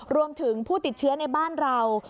รวมถึงผู้ติดเชื้อในบ้านเรา